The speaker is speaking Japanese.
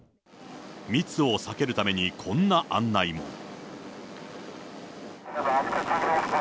密を避けるためにこんな案内も。